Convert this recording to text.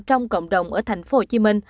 trong cộng đồng ở tp hcm